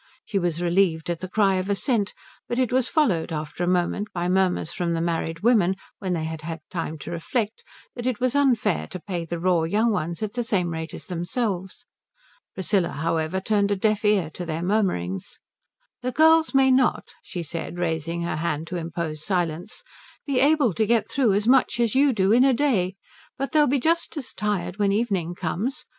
She was relieved at the cry of assent; but it was followed after a moment by murmurs from the married women, when they had had time to reflect, that it was unfair to pay the raw young ones at the same rate as themselves. Priscilla however turned a deaf ear to their murmurings. "The girls may not," she said, raising her hand to impose silence, "be able to get through as much as you do in a day, but they'll be just as tired when evening comes.